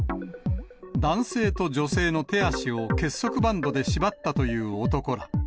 男性と女性の手足を結束バンドで縛ったという男ら。